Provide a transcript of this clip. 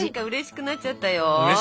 うれしくなっちゃった？